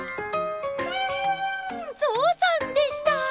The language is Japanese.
ゾウさんでした！